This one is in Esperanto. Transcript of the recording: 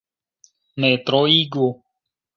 Ne troigu.